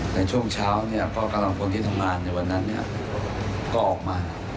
ในช่วงเช้าก็กัฎจงคนที่ทำงานในวันนั้นก็ออกมา